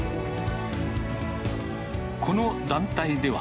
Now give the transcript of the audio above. この団体では、